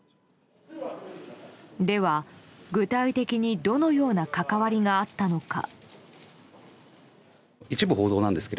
では、具体的にどのような関わりがあったのか。